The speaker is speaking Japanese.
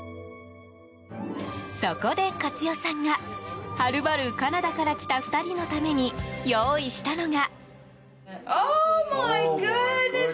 そこで、勝代さんがはるばるカナダから来た２人のために用意したのが。